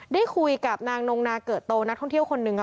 ได้คุยกับนางนงนาเกิดโตนักท่องเที่ยวคนหนึ่ง